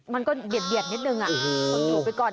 มันก็เบียดนิดหนึ่งโดดไปก่อน